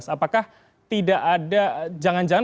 apakah tidak ada jangan jangan pertemuannya adalah jemaat